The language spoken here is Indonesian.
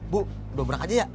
bu dobrak aja ya